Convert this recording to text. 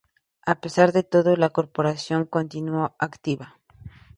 A pesar de todo, la corporación continuó activa.